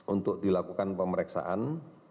untuk dilakukan pemeriksaan